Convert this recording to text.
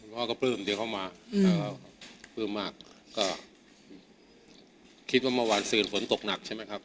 พ่อก็ปลื้มเดี๋ยวเข้ามาปลื้มมากก็คิดว่าเมื่อวานสื่นฝนตกหนักใช่ไหมครับ